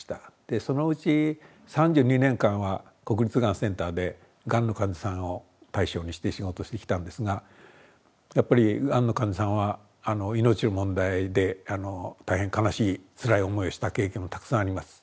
そのうち３２年間は国立がんセンターでがんの患者さんを対象にして仕事をしてきたんですがやっぱりがんの患者さんは命の問題で大変悲しいつらい思いをした経験もたくさんあります。